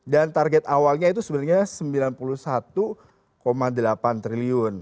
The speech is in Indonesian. dan target awalnya itu sebenarnya sembilan puluh satu delapan triliun